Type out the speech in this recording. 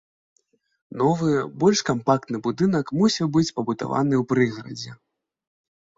Новы, больш кампактны будынак мусіў быць пабудаваны ў прыгарадзе.